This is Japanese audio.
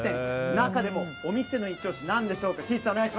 中でもお店のイチ押し何でしょうか？